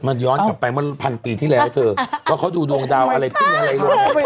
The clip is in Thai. มันย้อนกลับไปเมื่อพันปีที่แล้วเธอเพราะเขาดูดวงดาวอะไรก็ไม่ได้